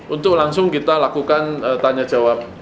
untuk langsung kita lakukan tanya jawab